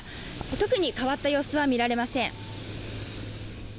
特に変わった様子は見られません。